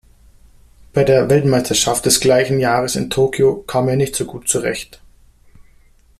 Bei der Weltmeisterschaft des gleichen Jahres in Tokio kam er nicht so gut zurecht.